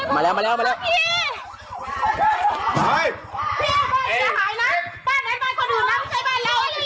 พี่ขอพี่อย่าพี่อย่าพี่